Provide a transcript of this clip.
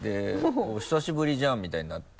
「久しぶりじゃん」みたいになって。